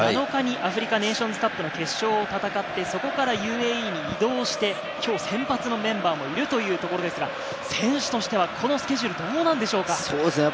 ７日にアフリカネーションズカップの決勝を戦って、それからＵＡＥに移動して、今日先発のメンバーもいるというところですが、選手としてはこのスケジュールどうでしょうか？